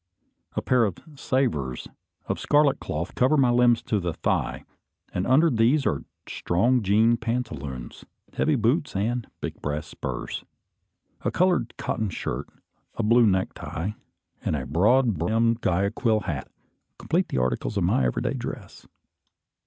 A pair of "savers" of scarlet cloth cover my limbs to the thigh; and under these are strong jean pantaloons, heavy boots, and big brass spurs. A coloured cotton shirt, a blue neck tie, and a broad brimmed Guayaquil hat, complete the articles of my everyday dress.